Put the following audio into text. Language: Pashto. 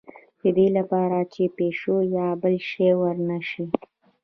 د دې لپاره چې پیشو یا بل شی ور نه شي.